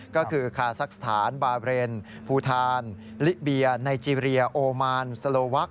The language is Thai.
ก็คือคาซักสถานบาเรนภูทานลิเบียไนเจรียโอมานสโลวัก